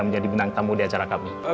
menjadi bintang tamu di acara kami